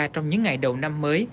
trong những ngày đầu năm mới